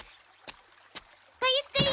ごゆっくり。